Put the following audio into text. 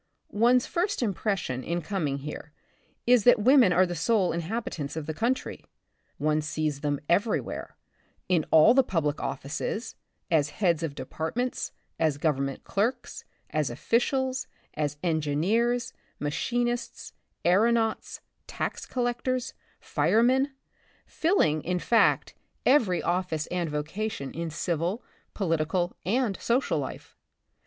One's first impres sion, in coming here, is that women are the sole inhabitants of the country. One sees them everywhere — in all the public offices, as heads of departments, as government clerks, as officials, as engineers, machinists, aeronauts, tax col lectors, firemen, filling, in fact, every oflfice and 38 The Republic of the Future, vocation in civil, political and social life.